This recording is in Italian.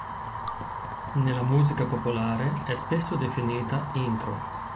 Nella musica popolare è spesso definita "intro".